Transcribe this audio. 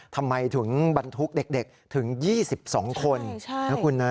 ทำไมถึงบรรทุกเด็กถึง๒๒คนนะคุณนะ